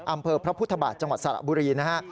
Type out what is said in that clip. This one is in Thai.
อำเภอพระพุทธบาทจังหวัดสระบุรีนะฮะ